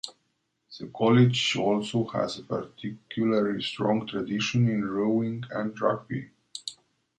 The college also has a particularly strong tradition in rowing and rugby.